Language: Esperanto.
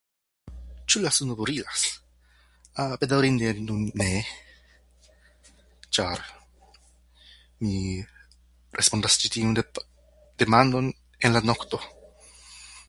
Ĉu la suno brilas? Bedaŭrinde nun ne, ĉar mi respondas ĉi tiun dem- demandon en la nokto.